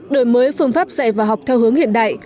đổi mới phương pháp dạy và học theo hướng hiện đại